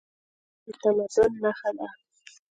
قلم د تمدن نښه ده.